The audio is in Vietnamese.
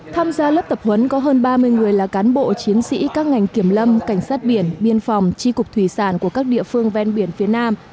tham gia lớp tập huấn có hơn ba mươi người là cán bộ chiến sĩ các ngành kiểm lâm cảnh sát biển biên phòng tri cục thủy sản của các địa phương ven biển phía nam